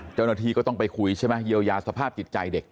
เจ้าหน้าที่ก็ต้องไปคุยใช่ไหมเยียวยาสภาพจิตใจเด็ก